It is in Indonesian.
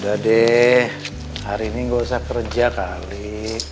udah deh hari ini nggak usah kerja kali